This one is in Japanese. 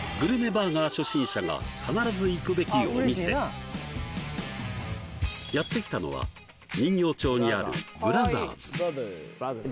バーガー初心者が必ず行くべきお店やって来たのは人形町にあるＢＲＯＺＥＲＳ